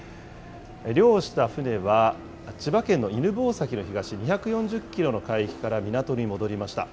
漁をした船は、千葉県の犬吠埼の東２４０キロの海域から港に戻りました。